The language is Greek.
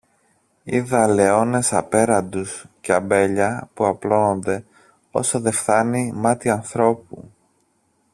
είδα ελαιώνες απέραντους και αμπέλια, που απλώνονται όσο δε φθάνει μάτι ανθρώπου.